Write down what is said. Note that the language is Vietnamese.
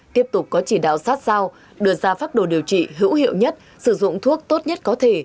tiếp tục có chỉ đạo sát sao đưa ra pháp đồ điều trị hữu hiệu nhất sử dụng thuốc tốt nhất có thể